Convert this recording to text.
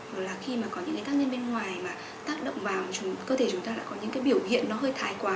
hoặc là khi mà có những cái tác nhân bên ngoài mà tác động vào cơ thể chúng ta lại có những cái biểu hiện nó hơi thái quá